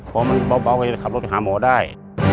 พ่อมันเบาไปขับรถต้องหาหมอได้